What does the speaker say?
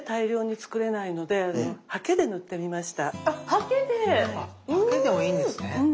ハケでもいいんですね。